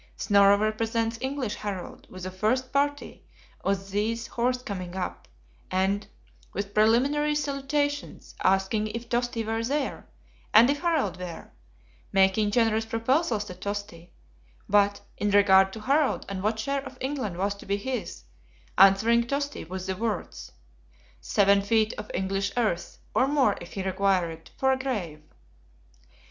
Snorro represents English Harold, with a first party of these horse coming up, and, with preliminary salutations, asking if Tosti were there, and if Harald were; making generous proposals to Tosti; but, in regard to Harald and what share of England was to be his, answering Tosti with the words, "Seven feet of English earth, or more if he require it, for a grave."